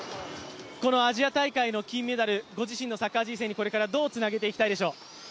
このアジア大会の金メダルご自身のサッカー人生にどうつなげていきたいでしょう？